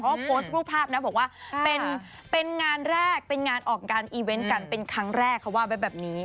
เขาโพสต์รูปภาพนะบอกว่าเป็นงานแรกเป็นงานออกงานอีเวนต์กันเป็นครั้งแรกเขาว่าไว้แบบนี้